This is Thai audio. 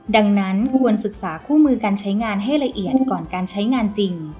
ดังนั้นควรศึกษาคู่มือการใช้งานให้ละเอียดก่อนการใช้งานจริง